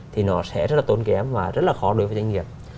thì nó sẽ rất là tốn kém và rất là khó đối với doanh nghiệp